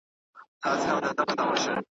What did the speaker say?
پر ما ګران نورمحمدلاهو ته,